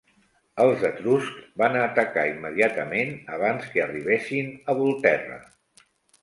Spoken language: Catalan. Els etruscs van atacar immediatament, abans que arribessin a Volterra.